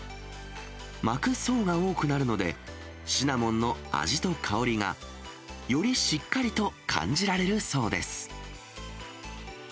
巻く層が多くなるので、シナモンの味と香りが、よりしっかりと感じられるそうです。